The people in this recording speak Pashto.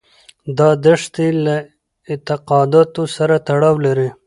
دا دښتې له اعتقاداتو سره تړاو لري.